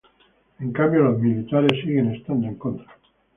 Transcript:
En cambio los militares siguen estando en contra.